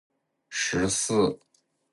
十四、特定司法辖区的补充隐私声明